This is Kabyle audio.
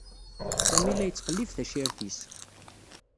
Sami la yettqellib tacirt-is.